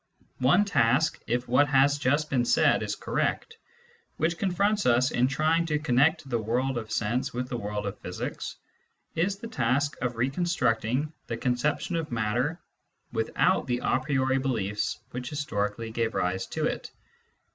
One task, if what has just been said is correct, which confronts us in trying to connect the world of sense with the world of physics, is the task of reconstructing the conception of matter without the a priori beliefs which historically gave rise to it.